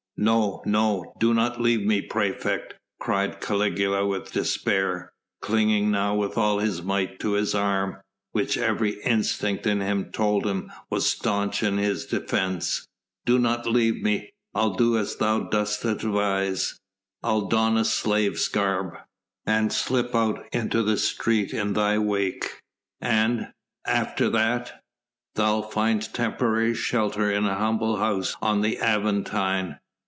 "No, no, do not leave me, praefect," cried Caligula with despair, clinging now with all his might to this arm, which every instinct in him told him was staunch in his defence. "Do not leave me ... I'll do as thou dost advise.... I'll don a slave's garb ... and slip out into the street in thy wake ... and ... after that...?" "Thou'lt find temporary shelter in an humble house on the Aventine.